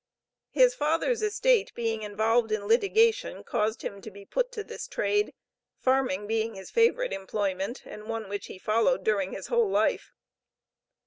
His father's estate being involved in litigation caused him to be put to this trade, farming being his favorite employment, and one which he followed during his whole life.